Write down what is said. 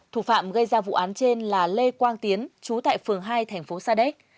thủ phạm gây ra vụ án trên là lê quang tiến chú tại phường hai thành phố sa đéc